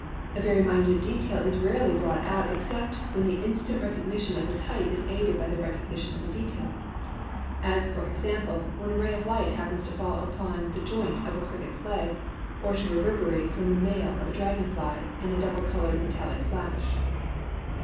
A very minute detail is rarely brought out except when the instant recog nition of the type is aided by the recognition of the detail ; as, for example, when a ray of light happens to fall upon the joint of a crick et's leg, or to reverberate from the mail of a dragonfly in a double colored metallic flash.